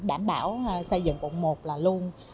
đảm bảo xây dựng quận một là luôn